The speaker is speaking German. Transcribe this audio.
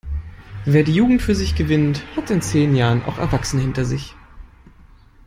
Wer die Jugend für sich gewinnt, hat in zehn Jahren auch Erwachsene hinter sich.